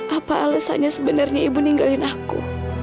apa alasannya sebenarnya ibu ninggalin aku